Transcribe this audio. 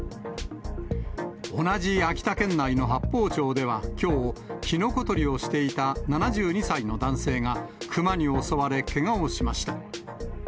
同じ秋田県内の八峰町ではきょう、キノコ採りをしていた７２歳の男性が、クマに襲われ、けがをしました。